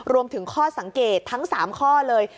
รวมถึงข้อสังเกตทั้ง๓ข้อเลย